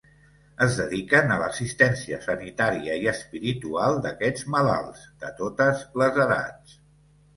Es dediquen a l'assistència sanitària i espiritual d'aquests malalts, de totes les edats.